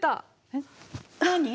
えっ何？